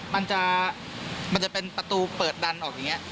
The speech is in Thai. มันจะเป็นประตูเปิดดันออกอย่างนี้